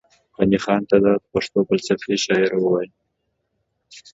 غني خان ته دا پښتو ژبې فلسفي شاعر وايي